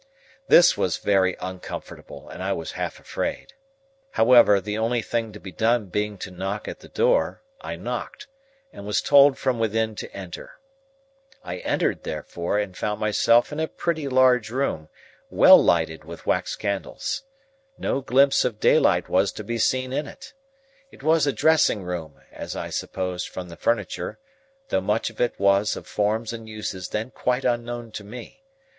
This was very uncomfortable, and I was half afraid. However, the only thing to be done being to knock at the door, I knocked, and was told from within to enter. I entered, therefore, and found myself in a pretty large room, well lighted with wax candles. No glimpse of daylight was to be seen in it. It was a dressing room, as I supposed from the furniture, though much of it was of forms and uses then quite unknown to me.